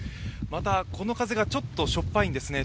また、この風がちょっとしょっぱいんですね。